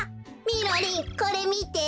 みろりんこれみて。